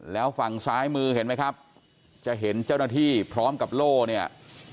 แล้วฝั่งซ้ายมือเห็นไหมครับจะเห็นเจ้าหน้าที่พร้อมกับโล่เนี่ย